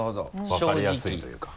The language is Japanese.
分かりやすいというか。